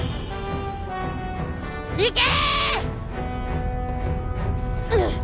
行け！